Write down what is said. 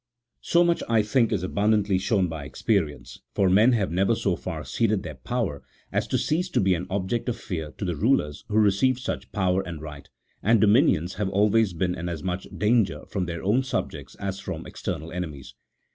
So much, I think, is abundantly shown by experience : for men have never so far ceded their power as to cease to be an object of fear to the rulers who received such power and right ; and domi nions have always been in as much danger from their own subjects as from external enemies.